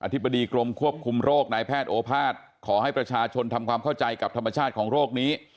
ธิบดีกรมควบคุมโรคนายแพทย์โอภาษย์ขอให้ประชาชนทำความเข้าใจกับธรรมชาติของโรคนี้